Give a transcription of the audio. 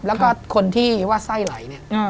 แล้วก็คนที่ว่าไส้ไหล